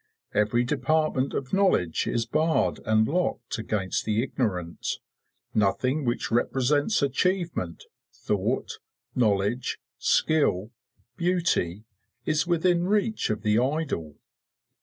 Every department of knowledge is barred and locked against the ignorant; nothing which represents achievement, thought, knowledge, skill, beauty, is within reach of the idle.